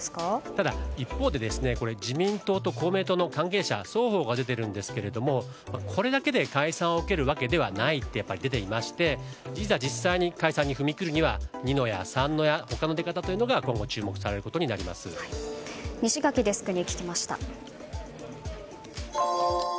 ただ一方で自民党と公明党の関係者双方が出ていますがこれだけで解散を考えるわけではないといっていて実際、いざ解散に踏み切るには二の矢、三の矢など他の出方というのが西垣デスクに聞きました。